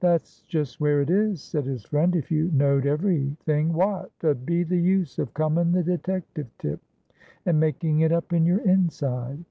"That's just where it is," said his friend; "if you knowed every thing, wot 'ud be the use of coming the detective tip, and making it up in your inside?"